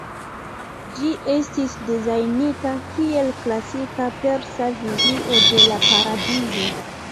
Ĝi estis dezajnita kiel klasika persa vizio de la paradizo.